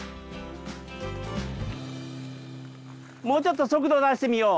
もうちょっと速度出してみよう。